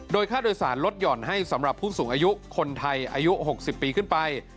โดยค่าโดยสารลดหย่อนให้สำหรับผู้สูงอายุคนไทยอายุ๖๐ปีขึ้นไป